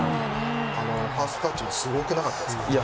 ファーストタッチもすごくなかったですか？